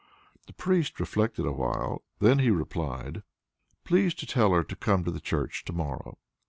The priest reflected awhile; then he replied: "Please to tell her to come to church to morrow."